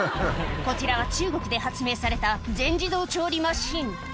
こちらは中国で発明された全自動調理マシン